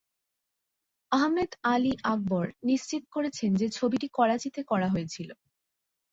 আহমেদ আলী আকবর নিশ্চিত করেছেন যে ছবিটি করাচিতে করা হয়েছিল।